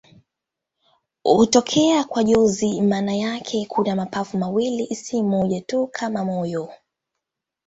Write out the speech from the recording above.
Hutokea kwa jozi maana yake kuna mapafu mawili, si moja tu kama moyo.